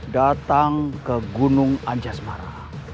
datang ke gunung anjasmara